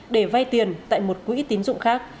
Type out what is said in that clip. để vay tiền tại một quỹ tín dụng khác